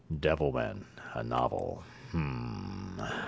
_) 'Devilman, a novel.' Hm.